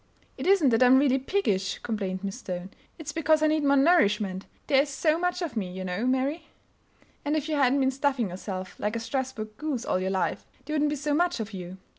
"It isn't that I'm really piggish," complained Miss Stone. "It's because I need more nourishment; there is so much of me, you know, Mary." "And if you hadn't been stuffing yourself like a Strasburg goose all your life, there wouldn't be so much of you.